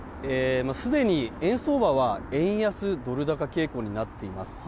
すでに円相場は円安ドル高傾向になっています。